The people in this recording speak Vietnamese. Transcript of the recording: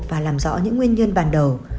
và làm rõ những nguyên nhân ban đầu